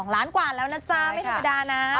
ล้านกว่าแล้วนะจ๊ะไม่ธรรมดานะ